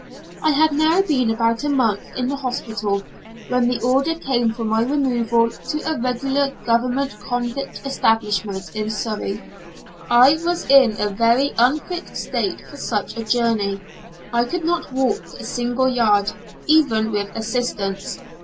I had now been about a month in the hospital when the order came for my removal to a regular Government Convict Establishment, in Surrey. I was in a very unfit state for such a journey; I could not walk a single yard, even with assistance.